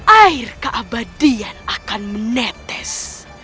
air keabadian akan menetes